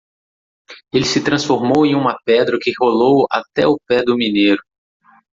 Ele se transformou em uma pedra que rolou até o pé do mineiro.